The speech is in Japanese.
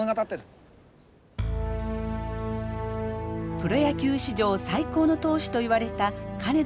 プロ野球史上最高の投手といわれた金田正一さん。